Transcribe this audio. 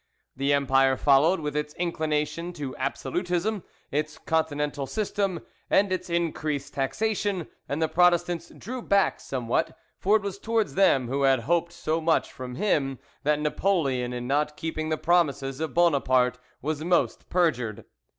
The Empire followed, with its inclination to absolutism, its Continental system, and its increased taxation; and the Protestants drew back somewhat, for it was towards them who had hoped so much from him that Napoleon in not keeping the promises of Bonaparte was most perjured.